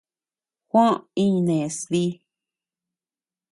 Juó iñnés dí.